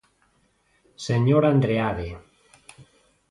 Señor Andreade.